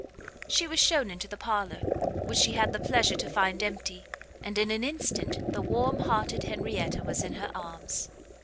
She was shewn into the parlour, which she had the pleasure to find empty; and, in an instant, the warm hearted Henrietta was in her arms.